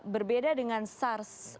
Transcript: berbeda dengan sars